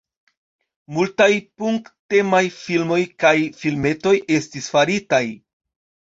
Multaj punk-temaj filmoj kaj filmetoj estis faritaj.